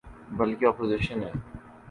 بلکہ اپوزیشن ہے۔